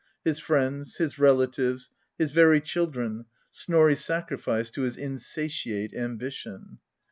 His friends, his relatives, his very children, Snorri sacrificed to his in satiate ambition.